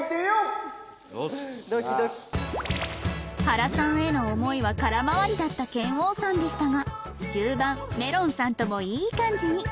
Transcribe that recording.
原さんへの思いは空回りだった拳王さんでしたが終盤めろんさんともいい感じに